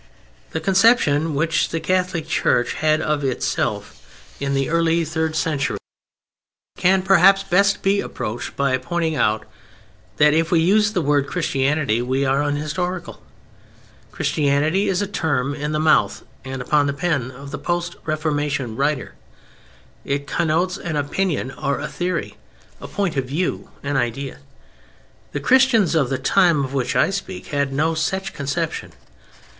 The conception which the Catholic Church had of itself in the early third century can, perhaps, best be approached by pointing out that if we use the word "Christianity" we are unhistorical. "Christianity" is a term in the mouth and upon the pen of the post Reformation writer; it connotes an opinion or a theory; a point of view; an idea. The Christians of the time of which I speak had no such conception.